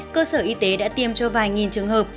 cơ sở y tế đã tiêm cho vài nghìn trường hợp